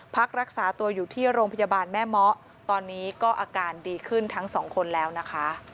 พักรักษาตัวอยู่ที่โรงพยาบาลแม่เมาะตอนนี้ก็อาการดีขึ้นทั้งสองคนแล้วนะคะ